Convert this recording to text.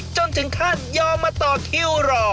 จนถึงขั้นยอมมาต่อคิวรอ